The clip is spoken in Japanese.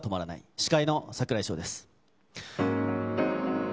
司会の櫻井翔です。